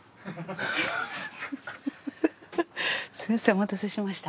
お待たせしました。